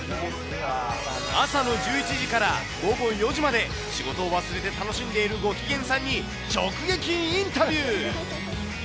朝の１１時から午後４時まで、仕事を忘れて楽しんでいるご機嫌さんに直撃インタビュー。